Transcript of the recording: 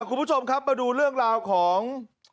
คุณผู้ชมครับมาดูเรื่องราวของ